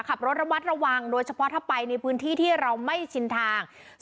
ขับรถระมัดระวังโดยเฉพาะถ้าไปในพื้นที่ที่เราไม่ชินทาง